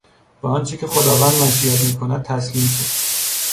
به آنچه که خداوند مشیت میکند تسلیم شو!